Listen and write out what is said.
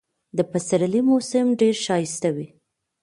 د پسرلي موسم ډېر ښایسته وي.